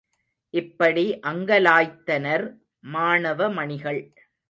இப்படி அங்கலாய்த்தனர், மாணவ மணிகள்.